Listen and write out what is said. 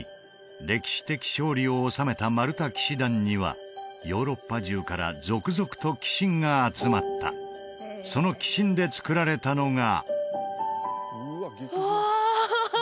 歴史的勝利を収めたマルタ騎士団にはヨーロッパ中から続々と寄進が集まったその寄進でつくられたのがわあ！